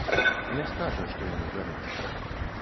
Не скажа, што яму гарыць.